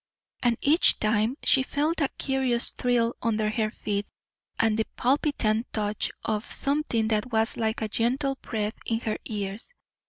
And each time she felt a curious thrill under her feet and the palpitant touch of something that was like a gentle breath in her ears.